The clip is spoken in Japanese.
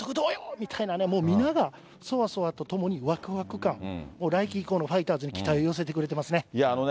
みたいなね、もう皆がそわそわとともにわくわく感、来季以降のファイターズに期待を寄せてくれてますね。